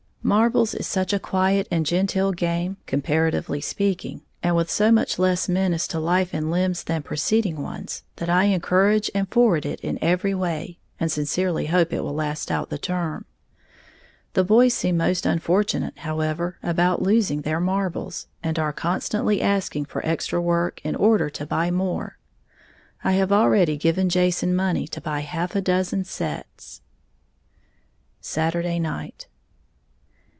Marbles is such a quiet and genteel game, comparatively speaking, and with so much less menace to life and limb than preceding ones, that I encourage and forward it in every way, and sincerely hope it will last out the term. The boys seem most unfortunate, however, about losing their marbles, and are constantly asking for extra work in order to buy more. I have already given Jason money to buy half a dozen sets. _Saturday Night.